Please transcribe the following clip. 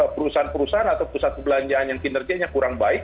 perusahaan perusahaan atau pusat perbelanjaan yang kinerjanya kurang baik